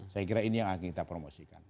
saya kira ini yang akan kita promosikan